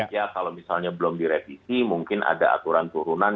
ya kalau misalnya belum direvisi mungkin ada aturan turunan